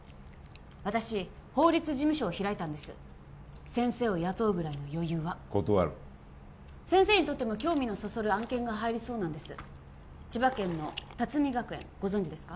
私法律事務所を開いたんです先生を雇うぐらいの余裕は断る先生にとっても興味のそそる案件が入りそうなんです千葉県の龍海学園ご存じですか？